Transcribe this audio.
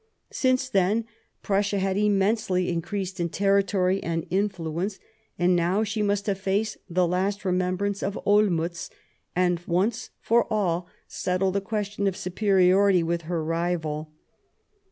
Since then Prussia had immensely in creased in territory and influence, and now she must efface the last remembrance of Olmutz, and once for all settle the question of superiority with her rival.